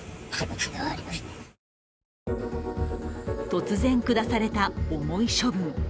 突然下された重い処分。